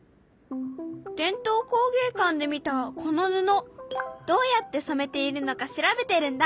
伝統工芸館で見たこの布どうやってそめているのか調べてるんだ。